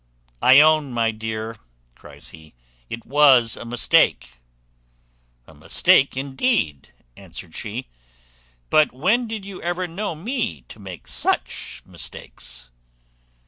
"I own, my dear," cries he, "it was a mistake." "A mistake, indeed!" answered she; "but when did you ever know me to make such mistakes?"